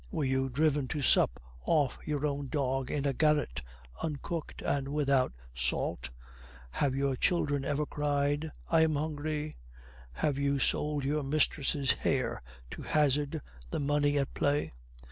Were you driven to sup off your own dog in a garret, uncooked and without salt? Have your children ever cried, 'I am hungry'? Have you sold your mistress' hair to hazard the money at play?